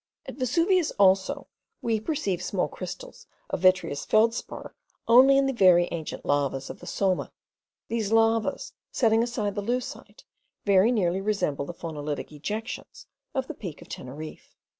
At Vesuvius also, we perceive small crystals of vitreous feldspar only in the very ancient lavas of the Somma. These lavas, setting aside the leucite, very nearly resemble the phonolitic ejections of the Peak of Teneriffe.